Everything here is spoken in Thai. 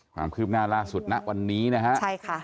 ความคืบหน้าล่าสุดณวันนี้นะฮะใช่ค่ะ